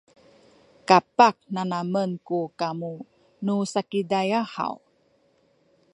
kapah nanamen ku kamu nu Sakizaya haw?